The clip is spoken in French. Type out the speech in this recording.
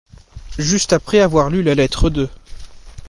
Juste après avoir lu la lettre de.